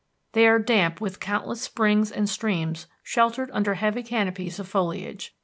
They are damp with countless springs and streams sheltered under heavy canopies of foliage.